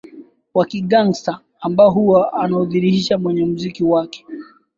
wa Kigangstaa ambao huwa anaudhihirsha kwenye muziki wake